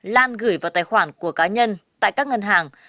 lan gửi vào tài khoản của cá nhân tại các ngân hàng